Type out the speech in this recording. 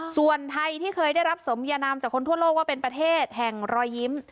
ส่วนไทยที่เคยได้รับสมยานามจากคนทั่วโลกว่าเป็นประเทศแห่งรอยยิ้ม